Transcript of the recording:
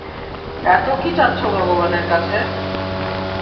এতো কি চাচ্ছো ভগবানের কাছে?